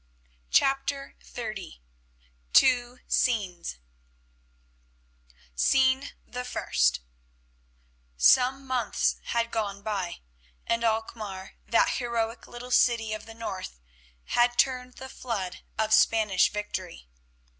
CHAPTER XXX TWO SCENES Scene the First Some months had gone by, and Alkmaar, that heroic little city of the north, had turned the flood of Spanish victory.